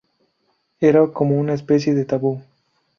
Era como una especie de "tabú".